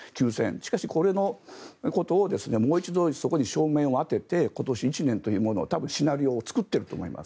しかし、このことをもう一度そこに照明を当てて今年１年というものを多分、シナリオを作っていると思います。